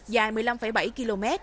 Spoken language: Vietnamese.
dài một mươi năm bảy km